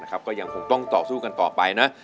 ก็ยังคงต้องต่อสู้กันต่อไปนะ